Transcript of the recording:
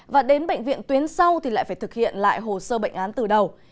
và đến bệnh viện tuyến sau thì lại phải thực hiện lại hồ sơ bệnh án từ đầu